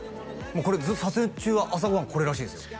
もうこれずっと撮影中は朝ご飯これらしいですよ